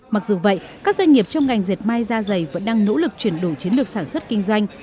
mặc dù vậy các doanh nghiệp trong ngành diệt may da dày vẫn đang nỗ lực chuyển đổi chiến lược sản xuất kinh doanh